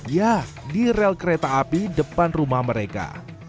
ya di rel kereta api depan rumah mereka